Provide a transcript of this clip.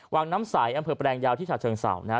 วางน้ำสายอำเภอแปรงยาวที่ถาดเชิงเสานะฮะ